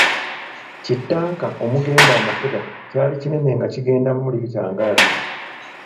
Kittanka omugenda amafuta kyali kinene nga kigendamu liita nga abiri.